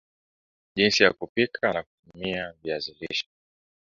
Jinsi ya kupika na kutumia viazi lishe